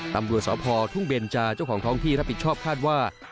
ตำรวจสพทุ่งเบนจาเจ้าของท้องที่รับผิดชอบคาดว่า